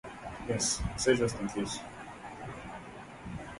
It is very likely located within the habitable zone of its parent star.